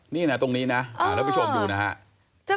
นี่นะตรงนี้นะเราไปชมอยู่นะฮะ